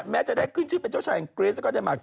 แม้จะได้ขึ้นชื่อเป็นเจ้าชายแห่งกริสต์แล้วก็เดนมาร์ก